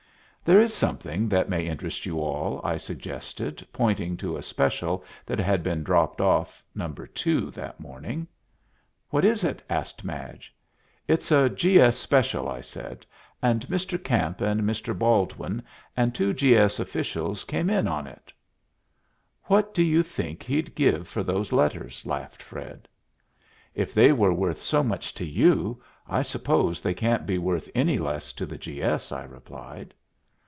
"There is something that may interest you all," I suggested, pointing to a special that had been dropped off No. 2 that morning. "What is it?" asked Madge. "It's a G. S. special," I said, "and Mr. Camp and Mr. Baldwin and two G. S. officials came in on it." "What do you think he'd give for those letters?" laughed Fred. "If they were worth so much to you, I suppose they can't be worth any less to the G. S.," I replied.